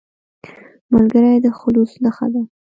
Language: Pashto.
ملګری د خلوص نښه ده